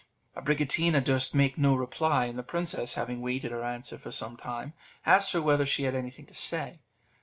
Abricotina durst make no reply; and the princess, having waited her answer for some time, asked her whether she had anything to say.